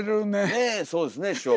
ねえそうですね師匠。